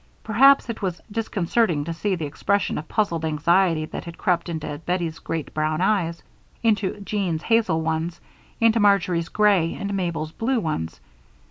Perhaps it was disconcerting to see the expression of puzzled anxiety that had crept into Bettie's great brown eyes, into Jean's hazel ones, into Marjory's gray and Mabel's blue ones.